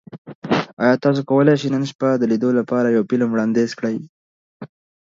ایا تاسو کولی شئ نن شپه د لیدو لپاره یو فلم وړاندیز کړئ؟